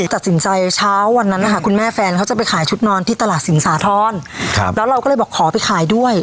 ตัดสินใจเช้าวันนั้นนะคะคุณแม่แฟนเขาจะไปขายชุดนอนที่ตลาดสินสาธรณ์แล้วเราก็เลยบอกขอไปขายด้วย